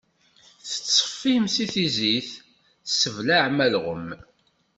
Tettṣeffim si tizit, tesseblaɛem alɣem.